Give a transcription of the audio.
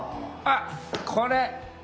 あっこれ！